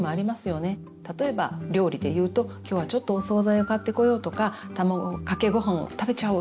例えば料理でいうときょうはちょっとお総菜を買ってこようとか卵かけごはんを食べちゃおうとか。